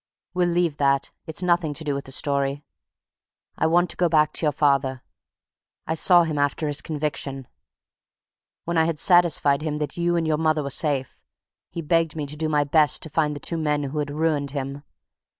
We'll leave that, it's nothing to do with the story. I want to go back to your father. I saw him after his conviction. When I had satisfied him that you and your mother were safe, he begged me to do my best to find the two men who had ruined him.